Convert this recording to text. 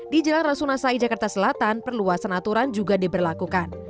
di jalan rasunasai jakarta selatan perluasan aturan juga diberlakukan